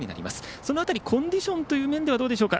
その辺りコンディションはどうでしょうか。